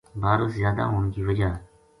بارش زیادہ ہون کی وجہ